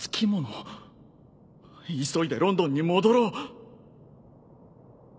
急いでロンドンに戻ろう。